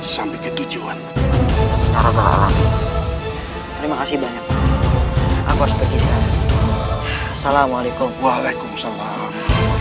sampai ke tujuan terima kasih banyak aku harus pergi sekarang assalamualaikum warahmatullahi wabarakatuh